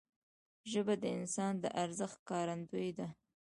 ژبه د انسان د ارزښت ښکارندوی ده